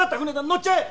乗っちゃえ！